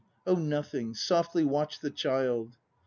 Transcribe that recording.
Oh, nothing. Softly watch the child.